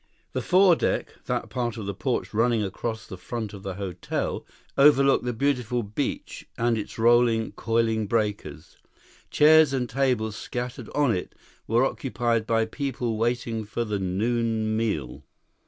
The fore deck, that part of the porch running across the front of the hotel, overlooked the beautiful beach and its rolling, coiling breakers. Chairs and tables scattered on it were occupied by people waiting for the noon meal.